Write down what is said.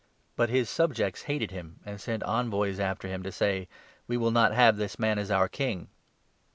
But his subjects 14 hated him and sent envoys after him to say ' We will not have this man as our King.'